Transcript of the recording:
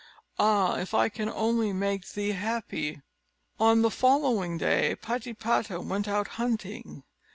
Ah! if I can only make thee happy!" On the following day, Patipata went out hunting.